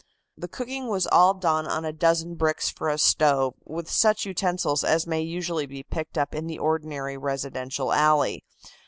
The cooking was all done on a dozen bricks for a stove, with such utensils as may usually be picked up in the ordinary residential alley.